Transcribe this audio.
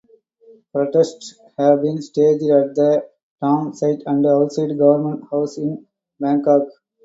Protests have been staged at the dam site and outside Government House in Bangkok.